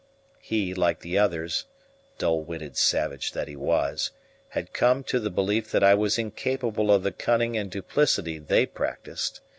He, like the others dull witted savage that he was had come to the belief that I was incapable of the cunning and duplicity they practiced.